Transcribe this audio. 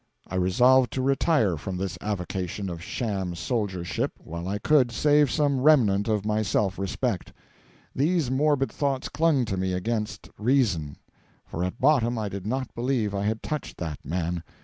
I resolved to retire from this avocation of sham soldiership while I could save some remnant of my self respect. These morbid thoughts clung to me against reason; for at bottom I did not believe I had touched that man.